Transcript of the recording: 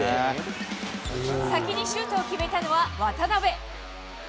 先にシュートを決めたのは渡邊。